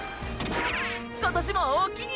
今年もおおきに！